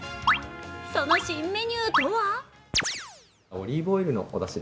その新メニューとは？